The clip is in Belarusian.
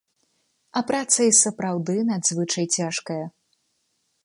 А праца і сапраўды надзвычай цяжкая.